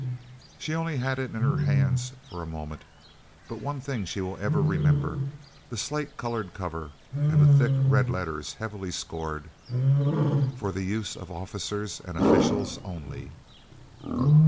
She only had it in her hands for a moment, but one thing she will ever remember, the slate coloured cover and the thick red letters heavily scored: _For the use of officers and officials only.